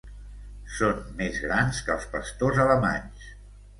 Són més grans que els pastors alemanys.